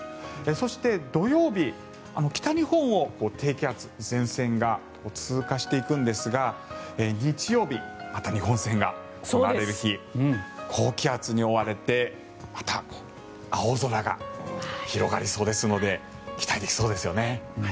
そして、土曜日北日本を低気圧、前線が通過していくんですが日曜日、日本戦が行われる日高気圧に覆われてまた青空が広がりそうですので期待できそうですよね。